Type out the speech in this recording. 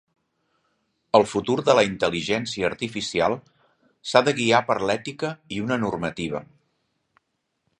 El futur de la intel·ligència artificial s'ha de guiar per l'ètica i una normativa.